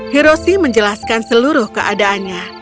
hiroshi menjelaskan seluruh keadaannya